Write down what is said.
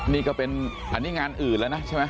นี่ก็เป็นอันนี้งานอื่นแล้วนะใช่ไหม